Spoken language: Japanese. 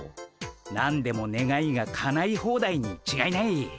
何でも願いがかないホーダイに違いない。